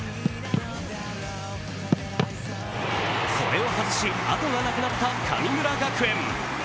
これを外し、あとがなくなった神村学園。